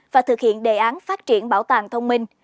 và thực hiện đề án phát triển bảo tàng thông minh